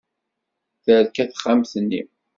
Terka texxamt-nni.